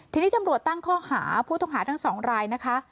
ทีนี้ตำรวจตั้งข้อหาผู้ต้องหาทั้งสองรายนะคะ